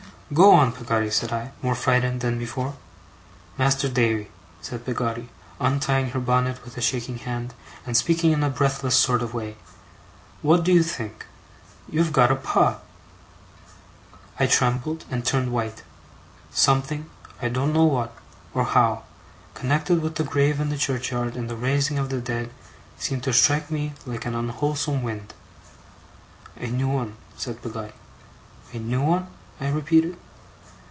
'Go on, Peggotty,' said I, more frightened than before. 'Master Davy,' said Peggotty, untying her bonnet with a shaking hand, and speaking in a breathless sort of way. 'What do you think? You have got a Pa!' I trembled, and turned white. Something I don't know what, or how connected with the grave in the churchyard, and the raising of the dead, seemed to strike me like an unwholesome wind. 'A new one,' said Peggotty. 'A new one?' I repeated.